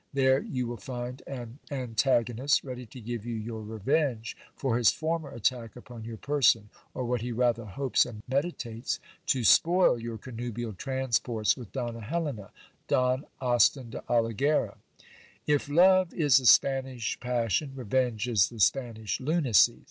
Tiiere you will find an antagonist, ready to give you your revenge for his foimer attack upon your person, or, what he rather hopes and meditates, to spoil your connubial transports with Donna Helena. "Don Austin de Olighera." If love is. a Spanish passion, revenge is the Spanish lunacy.